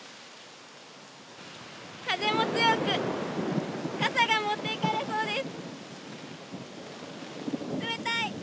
風も強く、傘が持っていかれそうです。